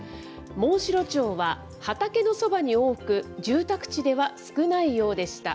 モンシロチョウは畑のそばに多く、住宅地では少ないようでした。